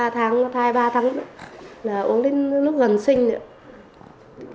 ba tháng thai ba tháng là uống đến lúc gần sinh